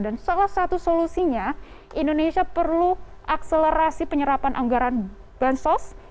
dan salah satu solusinya indonesia perlu akselerasi penyerapan anggaran dan sos